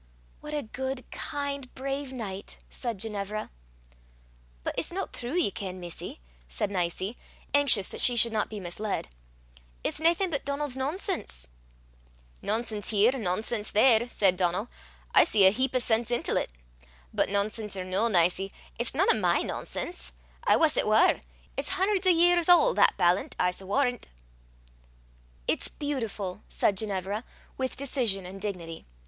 "What a good, kind, brave knight!" said Ginevra. "But it's no true, ye ken, missie," said Nicie, anxious that she should not be misled. "It's naething but Donal's nonsense." "Nonsense here, nonsense there!" said Donal, "I see a heap o' sense intil 't. But nonsense or no, Nicie, its nane o' my nonsense: I wuss it war. It's hun'ers o' years auld, that ballant, I s' warran'." "It's beautiful," said Ginevra, with decision and dignity.